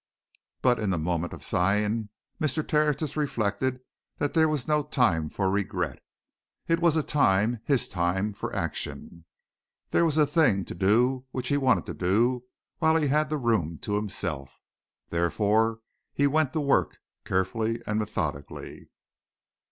But in the moment of sighing Mr. Tertius reflected that there was no time for regret. It was a time his time for action; there was a thing to do which he wanted to do while he had the room to himself. Therefore he went to work, carefully and methodically.